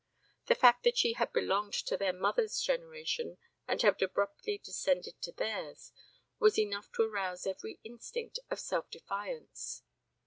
The fact that she had belonged to their mothers' generation and had abruptly descended to theirs was enough to arouse every instinct of self defence.